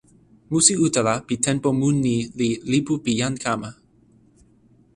musi utala pi tenpo mun ni li "lipu pi jan kama".